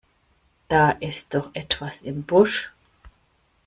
Da ist doch etwas im Busch!